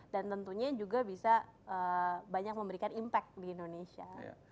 dan tentunya juga bisa banyak memberikan impact di indonesia